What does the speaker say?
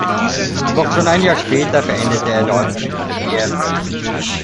Doch schon ein Jahr später beendete er dort seine Karriere.